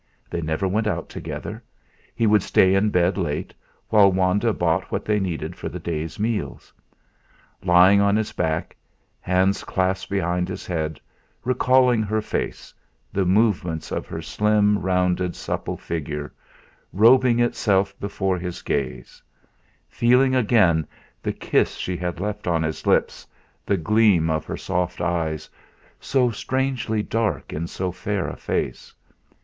They never went out together. He would stay in bed late, while Wanda bought what they needed for the day's meals; lying on his back, hands clasped behind his head, recalling her face, the movements of her slim, rounded, supple figure, robing itself before his gaze; feeling again the kiss she had left on his lips, the gleam of her soft eyes, so strangely dark in so fair a face.